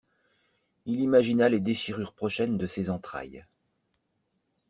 Il imagina les déchirures prochaines de ses entrailles.